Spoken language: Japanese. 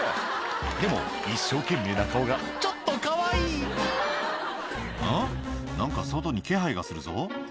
でも一生懸命な顔がちょっとかわいい「ん？何か外に気配がするぞ」